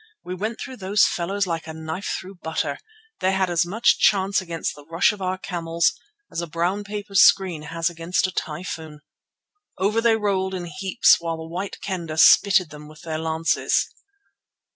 we went through those fellows like a knife through butter; they had as much chance against the rush of our camels as a brown paper screen has against a typhoon. Over they rolled in heaps while the White Kendah spitted them with their lances.